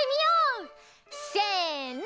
せの。